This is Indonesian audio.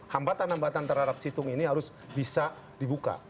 hambatan hambatan terhadap situng ini harus bisa dibuka